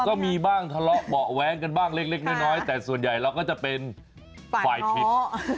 ก็มีบ้างทะเลาะเบาะแว้งกันบ้างเล็กน้อยแต่ส่วนใหญ่เราก็จะเป็นฝ่ายผิด